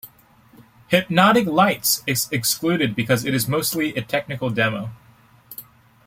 "Hypnotic Lights" is excluded because it is mostly a technical demo.